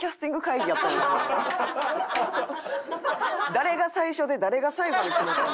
誰が最初で誰が最後に決まったん？